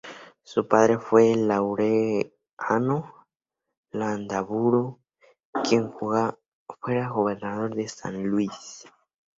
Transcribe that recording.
Su padre fue Laureano Landaburu, quien fuera gobernador de San Luis.